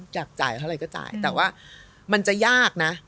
อยากจ่ายเท่าไหร่ก็จ่ายแต่ว่ามันจะยากนะ